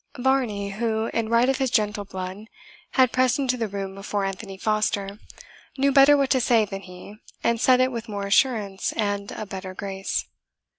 Varney, who, in right of his gentle blood, had pressed into the room before Anthony Foster, knew better what to say than he, and said it with more assurance and a better grace.